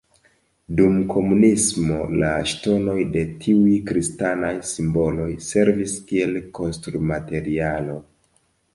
Dum komunismo la ŝtonoj de tiuj kristanaj simboloj servis kiel konstrumaterialo.